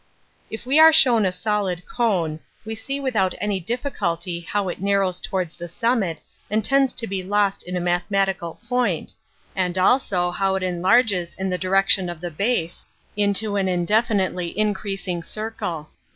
If we are shown a solid cone, we see with out any difficulty how it narrows towards the summit and tends to be lost in a mathe matical point, and also how it enlarges in the direction of the base into an indefinitely increasing circle.